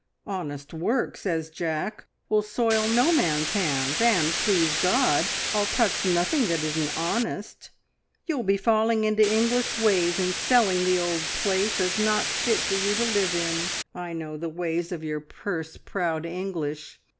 `Honest work,' says Jack, `will soil no man's hands, and please God, I'll touch nothing that isn't honest.' `You'll be falling into English ways and selling the old place as not fit for you to live in. I know the ways of your purse proud English.'